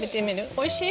おいしい？